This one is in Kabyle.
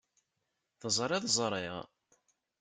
Teẓriḍ ẓṛiɣ.